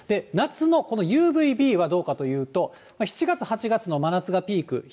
夏のこのＵＶＢはどうかというと、７月、８月の真夏がピーク。